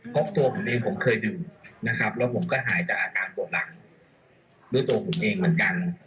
เพราะตัวผมเองผมเคยดื่มนะครับแล้วผมก็หายจากอาการปวดหลังด้วยตัวผมเองเหมือนกัน